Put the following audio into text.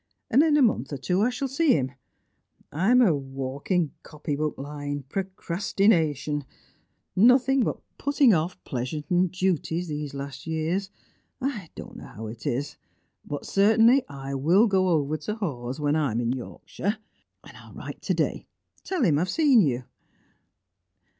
And in a month or two I shall see him. I'm a walking copybook line; procrastination nothing but putting off pleasures and duties these last years; I don't know how it is. But certainly I will go over to Hawes when I'm in Yorkshire. And I'll write today, tell him I've seen you."